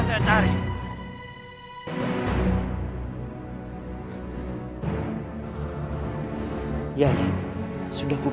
silahkan bagi ini pada mereka